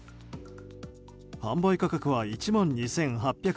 販売価格は１万２８００円。